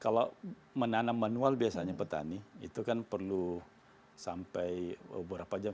kalau menanam manual biasanya petani itu kan perlu sampai berapa jam